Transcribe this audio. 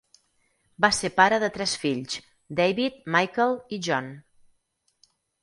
Va ser pare de tres fills: David, Michael i John.